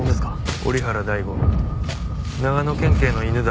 折原大吾長野県警の犬だ。